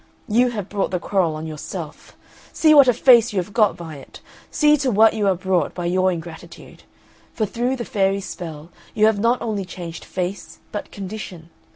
You have brought the quarrel on yourself; see what a face you have got by it! See to what you are brought by your ingratitude; for through the fairy's spell you have not only changed face, but condition.